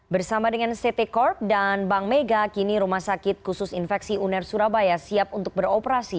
bersama dengan ct corp dan bank mega kini rumah sakit khusus infeksi uner surabaya siap untuk beroperasi